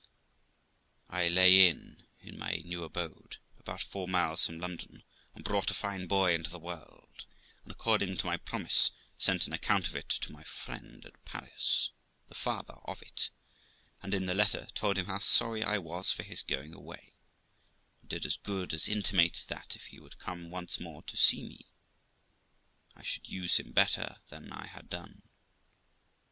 I lay in at , about four miles from London, and brought a fine boy into the world, and, according to my promise, sent an account of it to my friend at Paris, the father of it; and in the letter told him how sorry I was for his going away, and did as good as intimate, that, if he would come once more to see me, I should use him better than I had done.